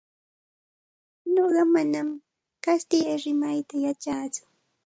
Nuqa manam kastilla rimayta yachatsu.